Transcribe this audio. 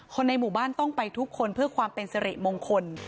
ในหมู่บ้านต้องไปทุกคนเพื่อความเป็นสิริมงคล